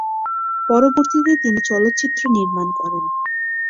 পরবর্তীতে তিনি চলচ্চিত্র নির্মাণ করেন।